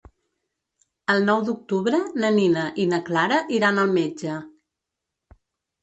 El nou d'octubre na Nina i na Clara iran al metge.